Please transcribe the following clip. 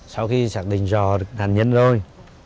sau khi xác định rò được nạn nhân rồi